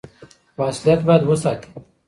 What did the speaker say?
خو اصليت بايد وساتي.